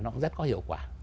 đúng không hả